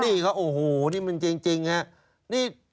นี่เขาโอ้โฮนี่มันจริงนี่